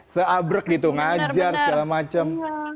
seabrek gitu ngajar segala macem